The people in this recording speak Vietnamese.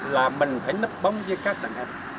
là mình phải nấp bóng với các đàn em